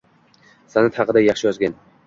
San’at haqida yaxshi yozgan.